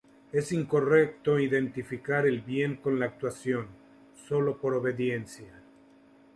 Es incorrecto identificar el bien con la actuación sólo por obediencia.